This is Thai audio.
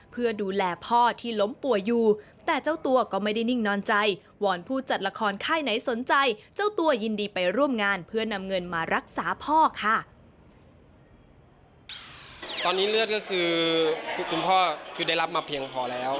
เลือดก็คือคุณพ่อคือได้รับมาเพียงพอแล้ว